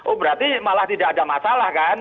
oh berarti malah tidak ada masalah kan